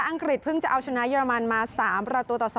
องกฤษเพิ่งจะเอาชนะเยอรมันมา๓ประตูต่อ๒